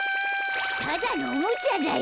ただのおもちゃだよ。